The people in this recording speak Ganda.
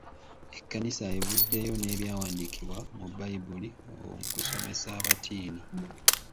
Ekkanisa evuddeyo n'ebyawandiikwa mu Bbayibuli okusomesa abatiini.